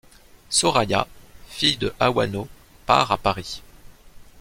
Sorraya, fille de Awano part à Paris.